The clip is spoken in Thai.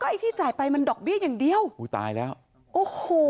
ไอ้ที่จ่ายไปมันดอกเบี้ยอย่างเดียวอุ้ยตายแล้วโอ้โห